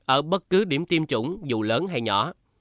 ở bất cứ điểm tiêm chủng dù lớn hay nhỏ